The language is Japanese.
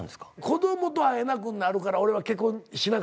子供と会えなくなるから俺は結婚しなかってんね。